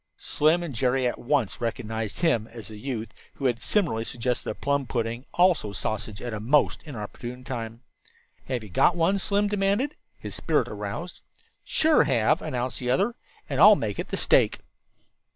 Slim and Jerry at once recognized him as the youth who had similarly suggested a plum pudding, also sausage, at a most inopportune time. "Have you got one?" Slim demanded, his spirit aroused. "Sure have," announced the other, "and I'll make it the stake."